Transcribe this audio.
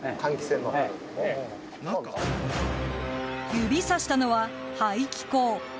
指さしたのは排気口。